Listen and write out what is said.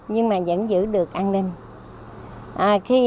nhưng mà vẫn giữ được an ninh